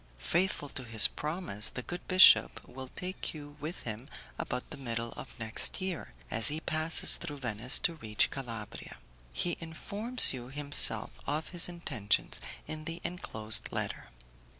Faithful to his promise, the good bishop will take you with him about the middle of next year, as he passes through Venice to reach Calabria. He informs you himself of his intentions in the enclosed letter.